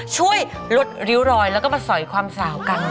ช่วยลดริ้วรอยแล้วก็มาสอยความสาวกัน